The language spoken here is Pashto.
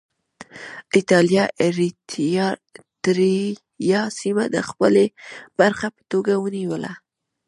اېټالیا اریتیریا سیمه د خپلې برخې په توګه ونیوله.